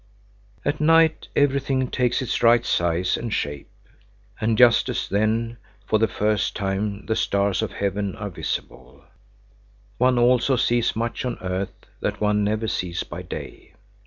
At night everything takes its right size and shape. And just as then for the first time the stars of heaven are visible, one also sees much on earth that one never sees by day.